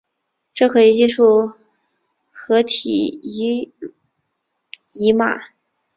这可以触发核糖体移码。